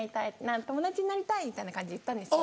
友達になりたい」みたいな感じで言ったんですよ。